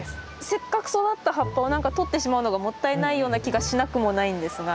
せっかく育った葉っぱを何かとってしまうのがもったいないような気がしなくもないんですが。